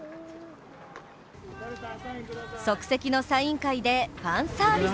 即席のサイン会でファンサービス。